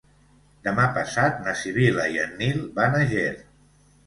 Demà passat na Sibil·la i en Nil van a Ger.